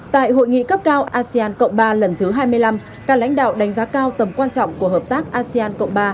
tại hội nghị cấp cao asean cộng ba lần thứ hai mươi năm các lãnh đạo đánh giá cao tầm quan trọng của hợp tác asean cộng ba